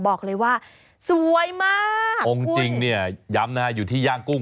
บอกเลยว่าสวยมากองค์จริงเนี่ยย้ำนะฮะอยู่ที่ย่างกุ้ง